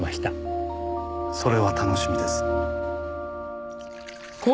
それは楽しみです。